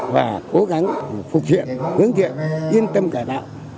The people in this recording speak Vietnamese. và cố gắng phục hiện hướng kiện yên tâm cải bạo